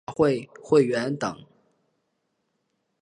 许仕仁是香港赛马会会员等。